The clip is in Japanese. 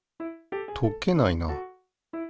溶けないな。